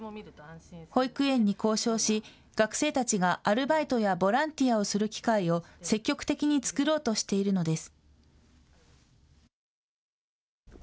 保育園に交渉し、学生たちがアルバイトやボランティアをする機会を積極的に作ろうとしているのです。